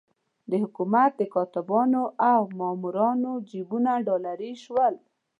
د حکومت د کاتبانو او مامورانو جېبونه ډالري شول.